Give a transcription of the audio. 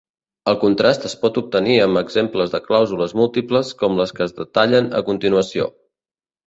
El contrast es pot obtenir amb exemples de clàusules múltiples com les que es detallen a continuació.